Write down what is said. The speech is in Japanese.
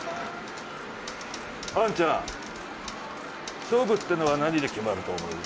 兄ちゃん勝負ってのは何で決まると思う？